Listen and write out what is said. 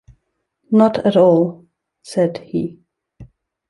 “Not at all,” said he.